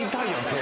手。